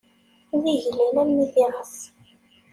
D igellil armi d iɣes.